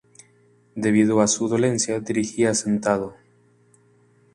Debido a su dolencia, dirigía sentado.